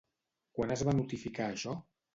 Quan es va notificar això?